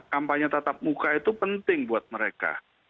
kampanye tatap muka itu penting buat mereka